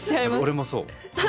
俺もそう。